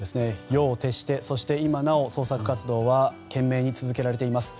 夜を徹して、そして今なお捜索活動は懸命に続けられています。